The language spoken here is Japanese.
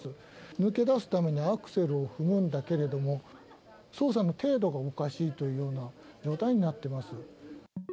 抜け出すためにアクセルを踏むんだけれども、操作の程度がおかしいというような状態になってます。